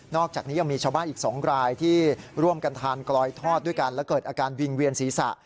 อกจากนี้ยังมีชาวบ้านอีก๒รายที่ร่วมกันทานกลอยทอดด้วยกันและเกิดอาการวิงเวียนศีรษะ